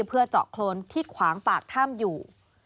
เพื่อเจาะโครนที่ขวางปากถ้ำอยู่